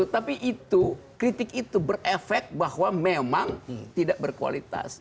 tapi itu kritik itu berefek bahwa memang tidak berkualitas